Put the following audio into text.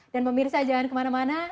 dan pemirsa jangan kemana mana